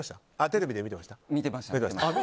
テレビで見てました？